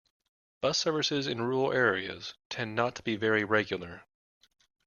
Bus services in rural areas tend not to be very regular.